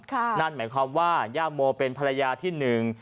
นั่นหมายความว่าย่าโมเป็นภรรยาที่หนึ่ง